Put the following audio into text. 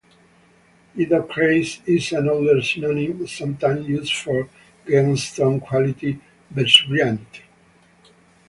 Idocrase is an older synonym sometimes used for gemstone-quality vesuvianite.